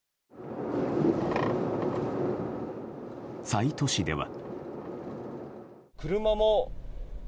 西都市では。